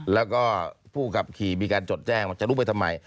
แล้วก็ผู้ขับขี่มีการจดแจ้งว่าจะลุกไปทำไม